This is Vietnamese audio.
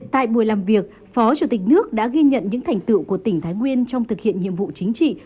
tại buổi làm việc phó chủ tịch nước đã ghi nhận những thành tựu của tỉnh thái nguyên trong thực hiện nhiệm vụ chính trị